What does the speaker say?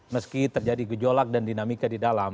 meski terjadi gejolak dan dinamika di dalam